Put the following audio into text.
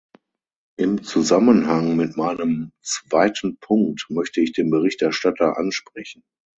Im Zusammenhang mit meinem zweiten Punkt möchte ich den Berichterstatter ansprechen.